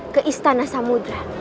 ke istana samudera